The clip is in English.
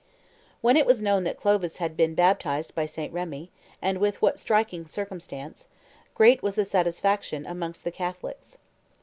When it was known that Clovis had been baptized by St. Remi, and with what striking circumstance, great was the satisfaction amongst the Catholics.